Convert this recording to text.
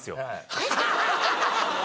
ハハハハハ！